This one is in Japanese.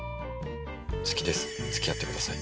好きです付き合ってください。